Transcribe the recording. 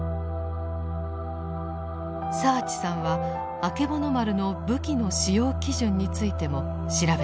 澤地さんはあけぼの丸の武器の使用基準についても調べています。